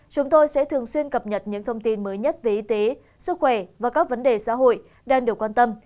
chúng tôi sẽ thường xuyên cập nhật những thông tin mới nhất về y tế sức khỏe và các vấn đề xã hội đang được quan tâm